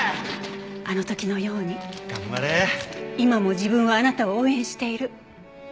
あの時のように今も自分はあなたを応援している。